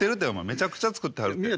めちゃくちゃ作ってはるって。